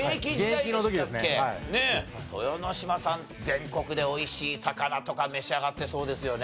全国で美味しい魚とか召し上がってそうですよね。